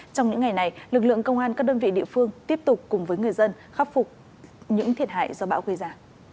trong những ngày này lực lượng công an các đơn vị địa phương tiếp tục cùng với người dân khắc phục những thiệt hại do bão gây ra